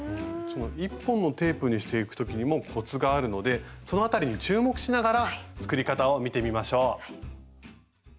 その１本のテープにしていく時にもコツがあるのでその辺りに注目しながら作り方を見てみましょう。